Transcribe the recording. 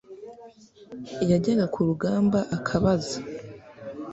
Yajyaga ku rugamba akabaza